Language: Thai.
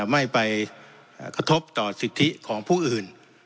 ไม่ไปกระทบต่อสิทธิของผู้อื่น